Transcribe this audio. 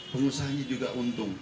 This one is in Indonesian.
pengusahanya juga untung